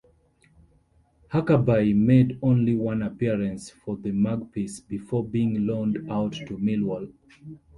Huckerby made only one appearance for the Magpies, before being loaned out to Millwall.